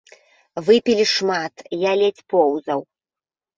Выпілі шмат, я ледзь поўзаў.